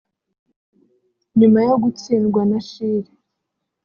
nyuma yo gutsindwa na Chili